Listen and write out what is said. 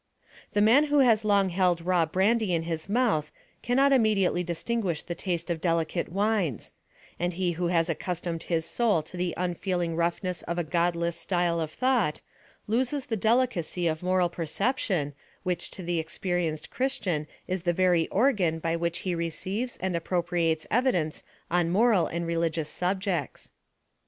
The man who has long held raw brandy in his mouih cannot immediately distinguish the taste of delicate wines; and he who has accustomed his soul to the un feeling roughness of a godless style of thought, loses the delicacy of moral perception, which to the experienced Christian is the very organ by which he receives anti appropriates evidence on moral and religious subjects.